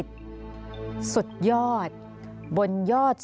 สวัสดีครับทุกคน